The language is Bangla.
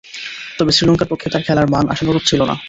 তবে, শ্রীলঙ্কার পক্ষে তার খেলার মান আশানুরূপ ছিল না।